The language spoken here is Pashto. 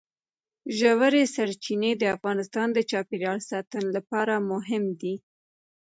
ژورې سرچینې د افغانستان د چاپیریال ساتنې لپاره مهم دي.